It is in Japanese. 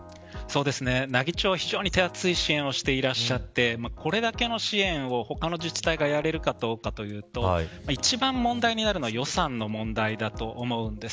奈義町は非常に手厚い支援をしていらっしゃってこれだけの支援を他の自治体がやれるかどうかというと一番問題になるのは予算の問題だと思います。